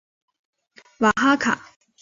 瓦哈卡。